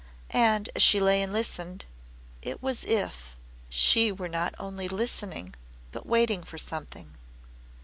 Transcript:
And as she lay and listened, it was as if she were not only listening but waiting for something.